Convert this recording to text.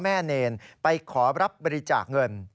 เนรไปขอรับบริจาคเงิน